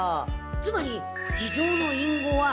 つまり地蔵の隠語は。